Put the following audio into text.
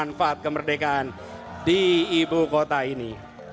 dan merasakan kemerdekaan di ibu kota ini